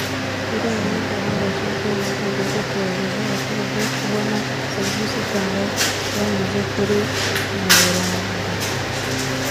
Irembo ni gahunda yashyizweho mu rwego rwo korohereza abaturage kubona serivisi itanga banyuze kuri murandasi